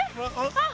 あっ。